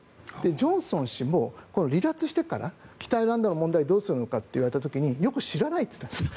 ジョンソン氏も離脱してから北アイルランドの問題をどうするのかって言われた時によく知らないと言ったんです。